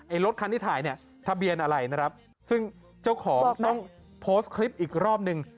รถคันที่ถ่ายเนี่ยทะเบียนอะไรนะครับซึ่งเจ้าของต้องโพสต์คลิปอีกรอบนึง